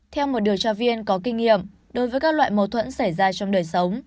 theo một điều tra viên có kinh nghiệm đối với các loại mâu thuẫn xảy ra trong đời sống